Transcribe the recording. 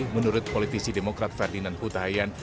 menurut politisi demokrat ferdinand hutayan